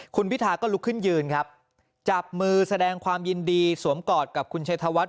คุณพิธาก็ลุกขึ้นยืนครับจับมือแสดงความยินดีสวมกอดกับคุณชัยธวัฒ